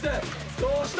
どうした？